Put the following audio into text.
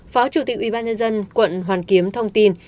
phó chủ tịch ubnd quận hoàn kiếm thông tin